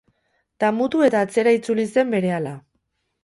Damutu eta atzera itzuli zen berehala.